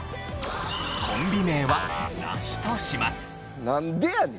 コンビ名はなしとします。